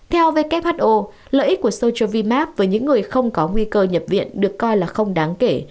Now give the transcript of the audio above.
theo who lợi ích của sochovima với những người không có nguy cơ nhập viện được coi là không đáng kể